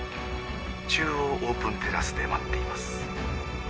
中央オープンテラスで待っています。